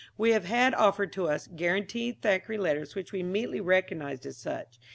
We have had offered to us "guaranteed" Thackeray letters which we immediately recognised as such.